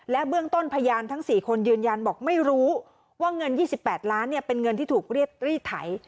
และเบื้องต้นพยานทั้งสี่คนยืนยันบอกไม่รู้ว่าเงินยี่สิบแปดล้านเนี้ยเป็นเงินที่ถูกรีดรีดไถ